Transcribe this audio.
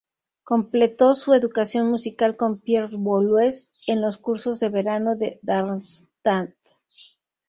Completó su educación musical con Pierre Boulez en los Cursos de Verano de Darmstadt.